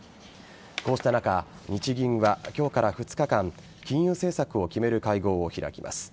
こうした中日銀は今日から２日間金融政策を決める会合を開きます。